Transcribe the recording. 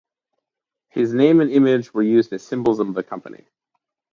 His name and image were used as symbols of the company.